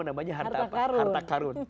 namanya harta karun